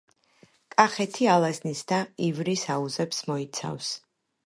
კახეთი ალაზნის და ივრის აუზებს მოიცავს